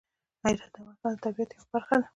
هرات د افغانستان د طبیعت یوه برخه ده.